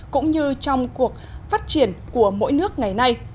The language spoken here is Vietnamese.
cũng như trong cuộc phát triển của mỗi nước ngày nay